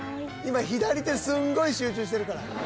［今左手すんごい集中してるから］